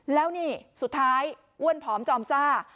แล้วนี่สุดท้ายอ้วนผอมจอมซ่า